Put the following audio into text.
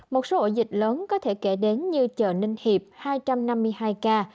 một số ổ dịch lớn có thể kể đến như chợ ninh hiệp hai trăm năm mươi hai ca